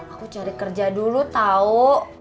aku cari kerja dulu tahu